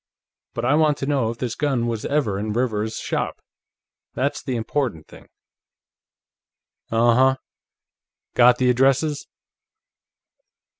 But I want to know if this gun was ever in Rivers's shop; that's the important thing." "Uh huh. Got the addresses?"